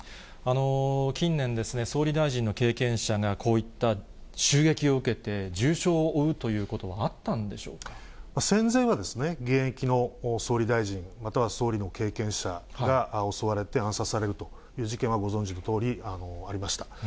近年、総理大臣の経験者が、こういった襲撃を受けて、重傷を負うという戦前は、現役の総理大臣、または総理の経験者が襲われて、暗殺されるという事件はご存じのとおり、ありました。